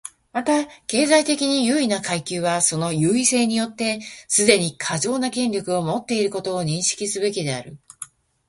また、経済的に優位な階級はその優位性によってすでに過剰な権力を持っていることを認識すべきである。